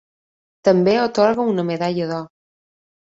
També atorga una Medalla d'Or.